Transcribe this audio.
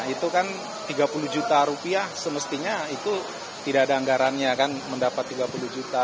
itu kan tiga puluh juta rupiah semestinya itu tidak ada anggarannya kan mendapat tiga puluh juta